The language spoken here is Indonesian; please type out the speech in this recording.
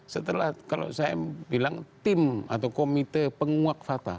setelah kalau saya bilang tim atau komite penguak fakta